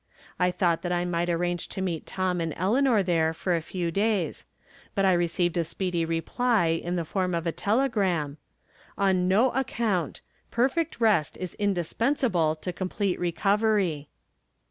I thought that I might arrange to meet Tom and Eleanor there for a few days. But t received a speedy reply in the form of a telegram :" On no account. Perfect rest is indispensable to complete recovery."